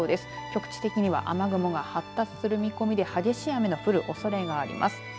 局地的には雨雲が発達する見込みで激しい雨の降るおそれがあります。